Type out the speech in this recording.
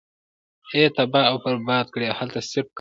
ئي تباه او برباد کړې!! هلته صرف کرکنړي او